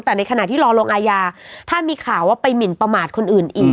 แต่ในขณะที่รอลงอาญาถ้ามีข่าวว่าไปหมินประมาทคนอื่นอีก